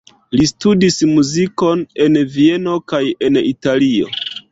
Li studis muzikon en Vieno kaj en Italio.